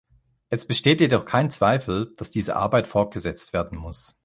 Es besteht jedoch kein Zweifel, dass diese Arbeit fortgesetzt werden muss.